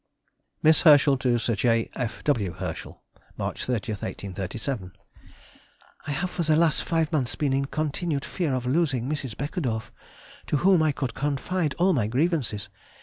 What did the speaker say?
MISS HERSCHEL TO SIR J. F. W. HERSCHEL. March 30, 1837. ... I have for the last five months been in continued fear of losing Mrs. Beckedorff (to whom I could confide all my grievances).